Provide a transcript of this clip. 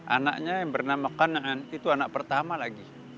anaknya yang bernama kanan itu anak pertama lagi